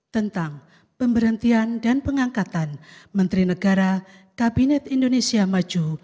tentang pemberhentian dan pengangkatan menteri negara kabinet indonesia maju